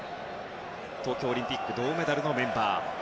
東京オリンピック銅メダルメンバー。